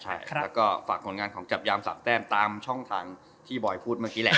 แล้วก็ฝากผลงานของจับยาม๓แต้มตามช่องทางที่บอยพูดเมื่อกี้แหละ